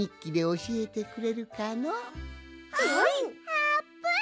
あーぷん！